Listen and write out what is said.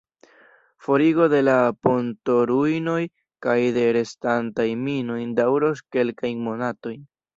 Forigo de la pontoruinoj kaj de restantaj minoj daŭros kelkajn monatojn.